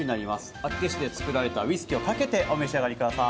厚岸で作られたウイスキーをかけてお召し上がりください。